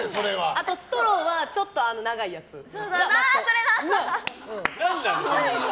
あと、ストローはちょっと長いやつがマスト。